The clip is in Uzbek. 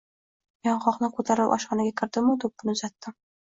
Yong‘oqni ko‘tarib oshxonaga kirdimu do‘ppini uzatdim.